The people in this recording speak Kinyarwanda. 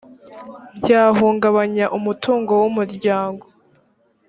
byahungabanya umutungo w umuryango